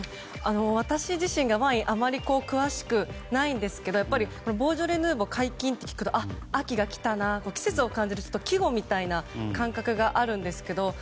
私自身がワインにあまり詳しくないんですがボージョレ・ヌーボー解禁と聞くと秋が来たなと季節を感じる季語みたいな感覚があるんですけど。